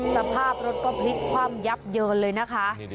สภาพรถก็พลิกคว่ำยับเยินเลยนะคะ